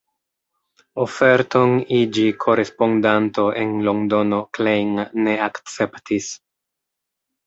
Oferton iĝi korespondanto en Londono Klein ne akceptis.